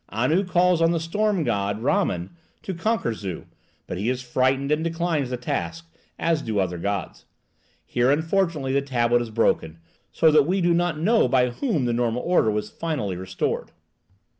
Anu calls on the storm god Ramman to conquer Zu, but he is frightened and declines the task, as do other gods. Here, unfortunately, the tablet is broken, so that we do not know by whom the normal order was finally restored.